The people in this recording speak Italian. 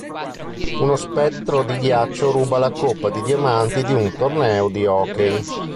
Uno spettro di ghiaccio ruba la coppa di diamanti di un torneo di hockey.